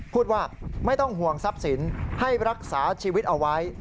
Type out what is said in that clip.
พูดว่าไม่ต้องห่วงทรัพย์สินให้รักษาชีวิตเอาไว้